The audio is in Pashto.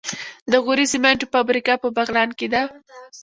د غوري سمنټو فابریکه په بغلان کې ده.